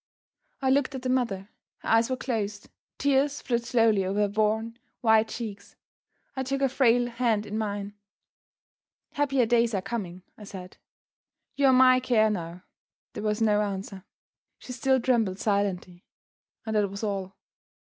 I looked at the mother. Her eyes were closed; the tears flowed slowly over her worn, white cheeks. I took her frail hand in mine. "Happier days are coming," I said; "you are my care now." There was no answer. She still trembled silently, and that was all.